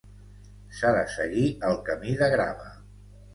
S'ha de seguir el camí de grava.